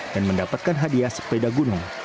dan mendapatkan hadiah sepeda gundung